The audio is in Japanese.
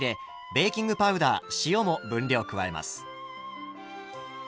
ベーキングパウダー塩も分量加えます。